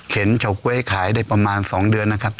เฉาก๊วยขายได้ประมาณ๒เดือนนะครับ